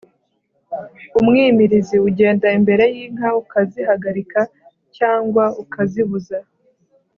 umwimirizi: ugenda imbere y’inka akazihagarika cyangwa akazibuza